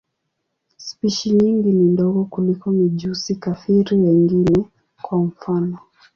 Spishi nyingi ni ndogo kuliko mijusi-kafiri wengine, kwa mfano.